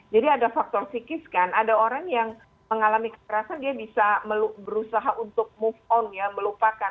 jadi ada faktor psikis kan ada orang yang mengalami kekerasan dia bisa berusaha untuk move on ya melupakan